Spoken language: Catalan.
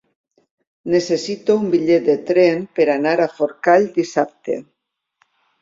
Necessito un bitllet de tren per anar a Forcall dissabte.